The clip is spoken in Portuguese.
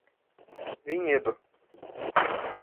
Vinhedo